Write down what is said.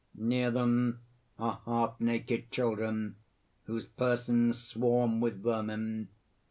Near them are half naked children, whose persons swarm with vermin.